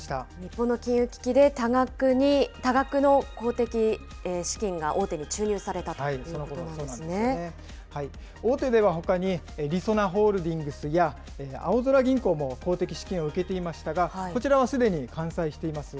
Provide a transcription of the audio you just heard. この金融危機で多額の公的資金が大手に注入されたということ大手ではほかに、りそなホールディングスやあおぞら銀行も公的資金を受けていましたが、こちらはすでに完済しています。